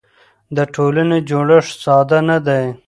د ټولنې جوړښت ساده نه دی.